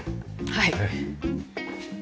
はい。